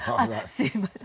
すみません。